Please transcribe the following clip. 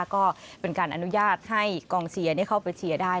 ก็เป็นการอนุญาตให้กองเชียร์เข้าไปเชียร์ได้